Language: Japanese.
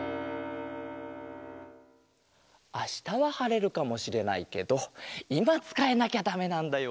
あしたははれるかもしれないけどいまつかえなきゃだめなんだよ